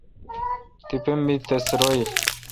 تپہ می تس روییل۔